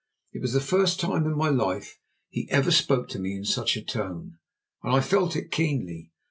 It was the first time in my life he ever spoke to me in such a tone, and I felt it keenly.